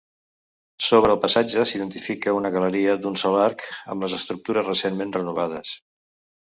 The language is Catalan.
Sobre el passatge s'identifica una galeria d'un sol arc, amb les estructures recentment renovades.